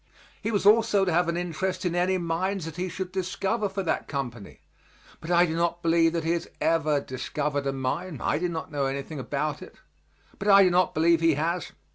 He was also to have an interest in any mines that he should discover for that company. But I do not believe that he has ever discovered a mine I do not know anything about it, but I do not believe he has.